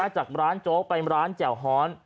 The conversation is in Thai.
จากร้านโจ๊กไปร้านแจ่วฮ้อน